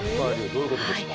どういうことですか？